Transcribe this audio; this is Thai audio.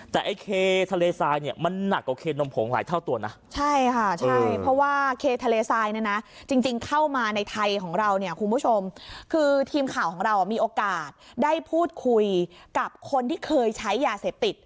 แต่ไอ้เคทะเลทรายเนี่ยมันหนักกว่าเคนมผงหลายเท่าตัวนะใช่ค่ะใช่เพราะว่าเคทะเลทรายเนี่ยนะจริงเข้ามาในไทยของเราเนี่ยคุณผู้ชมคือทีมข่าวของเรามีโอกาสได้พูดคุยกับคนที่เคยใช้ยาเสพติด